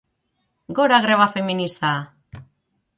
Gora greba feminista!!!